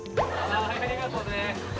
ありがとうね。